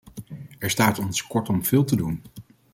Er staat ons kortom veel te doen.